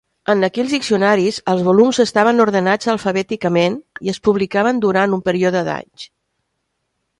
En aquells diccionaris, els volums estaven ordenats alfabèticament i es publicaven durant un període d'anys.